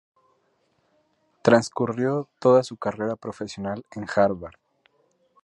Transcurrió toda su carrera profesional en Harvard.